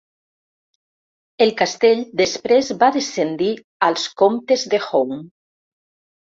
El castell després va descendir als comtes de Home.